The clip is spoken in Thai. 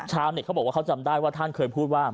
เขาบอกว่าเขาจำได้ว่าท่านเคยพูดว่า